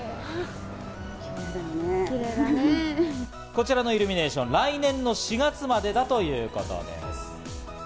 こちらのイルミネーション、来年の４月までだということです。